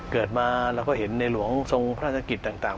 เกิดมาเราก็เห็นในหลวงทรงพระราชกิจต่าง